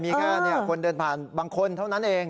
มีแค่คนเดินผ่านบางคนเท่านั้นเอง